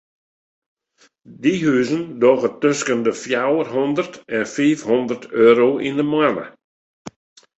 Dy huzen dogge tusken de fjouwer hondert en fiif hondert euro yn de moanne.